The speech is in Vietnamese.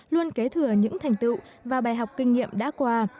luôn kế thừa những thành tựu và bài học kinh nghiệm đã qua